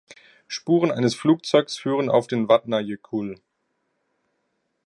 Spuren eines Flugzeugs führen auf den Vatnajökull.